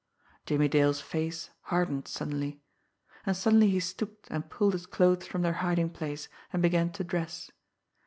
Jimmie Dale's face hardened suddenly and suddenly he stooped and pulled his clothes from their hiding place, and began to dress.